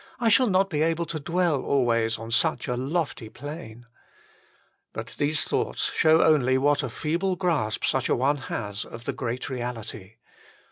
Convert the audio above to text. I shall not be able to dwell always on such a lofty plane." But these thoughts only show what a feeble grasp such a one has of the great reality.